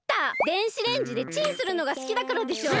電子レンジでチンするのがすきだからでしょ？